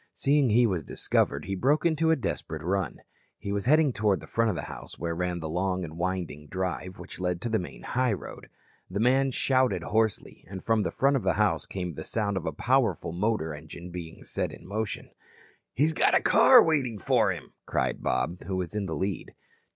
Seeing he was discovered he broke into a desperate run. He was heading toward the front of the house where ran the long and winding drive which led to the main highroad. The man shouted hoarsely, and from the front of the house came the sound of a powerful motor engine being set in motion. "He's got a car waiting for him," cried Bob, who was in the lead.